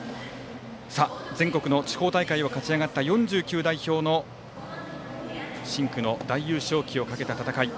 全国の地方大会を勝ち上がった４９代表の深紅の大優勝旗をかけた戦い。